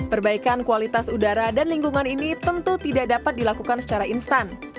perbaikan kualitas udara dan lingkungan ini tentu tidak dapat dilakukan secara instan